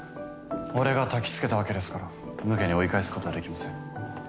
俺がたきつけたわけですからむげに追い返すことはできません。